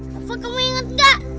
pak kamu ingat gak